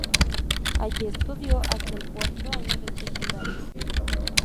Allí estudió hasta el cuarto año del Secundario.